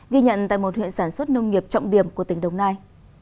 ghi nhận tại một huyện sản xuất nông nghiệp trọng điểm của tỉnh đồng nai